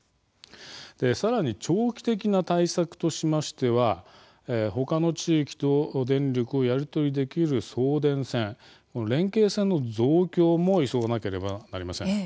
さらに長期的な対策としましてはほかの地域と電力をやり取りできる送電線連携線の増強も急がなければなりません。